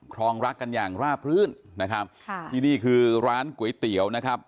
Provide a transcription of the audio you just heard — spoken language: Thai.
รองรักกันอย่างราบรื่นนะครับค่ะที่นี่คือร้านก๋วยเตี๋ยวนะครับ